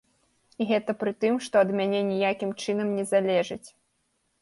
І гэта пры тым, што ад мяне ніякім чынам не залежыць!